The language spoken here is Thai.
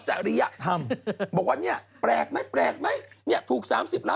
เช่นทำคุณทำทางใหญ่มา